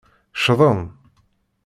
Ccḍen.